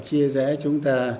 chia rẽ chúng ta